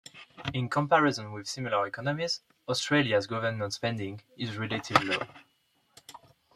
In comparison with similar economies, Australia's government spending is relatively low.